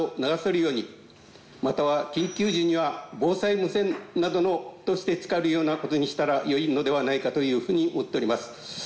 または緊急時には防災無線などとして使えるようなことにしたらよいのではないかというふうに思っております。